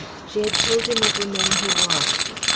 She told him of the men who watched.